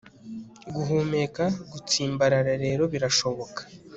guhumeka. gutsimbarara rero birashoboka